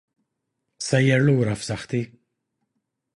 Sejjer lura f'saħħti.